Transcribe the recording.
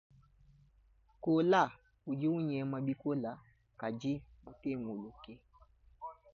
Gola udi unyema bikola kadi mutenguluka.